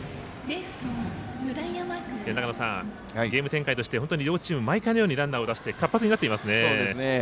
ゲーム展開として両チーム毎回のようにランナーを出して活発になっていますね。